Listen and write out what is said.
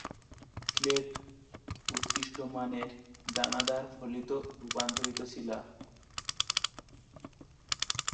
Slate উৎকৃষ্ট মানের দানাদার ফলিত রূপান্তরিত শিলা।